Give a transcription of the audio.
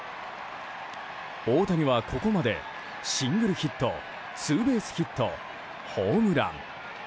大谷はここまでシングルヒットツーベースヒット、ホームラン。